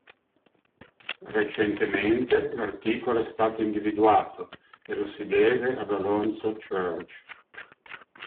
Recentemente l'articolo è stato individuato e lo si deve ad Alonzo Church.